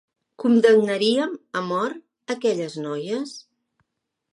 Condemnarien a mort aquelles noies?